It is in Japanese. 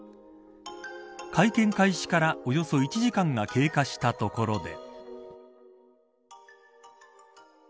会見開始からおよそ１時間が経過したところで。